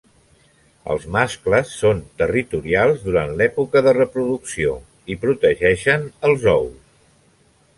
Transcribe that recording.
Els mascles són territorials durant l'època de reproducció i protegeixen els ous.